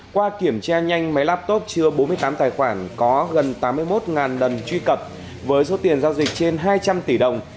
qua kiểm tra nhanh máy laptop chứa bốn mươi tám tài khoản có gần tám mươi một lần truy cập với số tiền giao dịch trên hai trăm linh tỷ đồng